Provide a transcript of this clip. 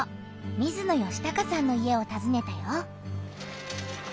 水野嘉孝さんの家をたずねたよ。